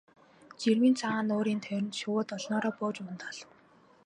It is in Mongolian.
Жирмийн цагаан нуурын тойрон шувууд олноороо бууж ундаална.